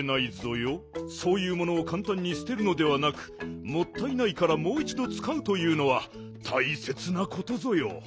そういうものをかんたんにすてるのではなくもったいないからもういちどつかうというのはたいせつなことぞよ。